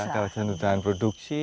kawasan hutan produksi